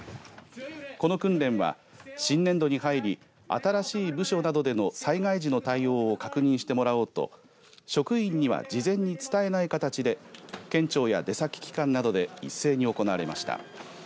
この訓練は新年度に入り新しい部署などでの災害時の対応を確認してもらおうと職員には事前に伝えない形で県庁や出先機関などで一斉に行われました。